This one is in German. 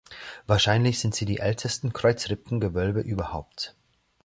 Wahrscheinlich sind sie die ältesten Kreuzrippengewölbe überhaupt.